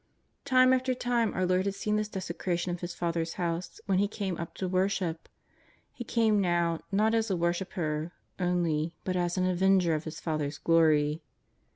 Time after time our Lord had seen this desecration of His Father's House when He came up to worship. He came now, not as a worshipper only but as an Avenger of His Father's glory.